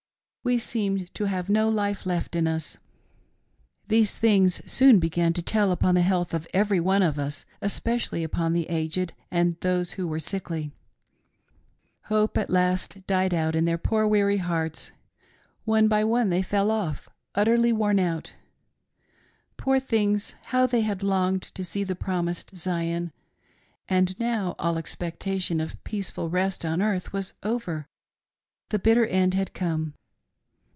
We seemed to have no life left in us. "These things soon began to tell upon the health of every one of us, especially upon the aged and those who were sickly, Hope at last died out in their poor weary hearts. One by one they fell off — utterly worn out. Poor things ! how they had longed to see the promised Zion, and now all expectation of peaceful rest on earth was over — the bitter end had come.